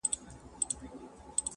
د زور ياري، د خره سپارکي ده.